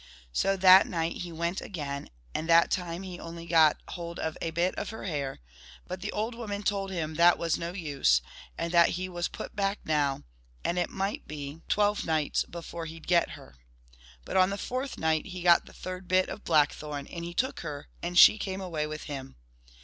So that night he went again, and that time he only got hold of a bit of her hair. But the old woman told him that was no use, and that he was put back now, and it might be 83 twelve nights before he 'd get her. But on the fourth night he got the third bit of blackthorn, and he took her, and she came away with him.